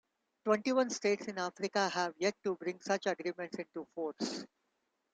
Twenty-one States in Africa have yet to bring such agreements into force.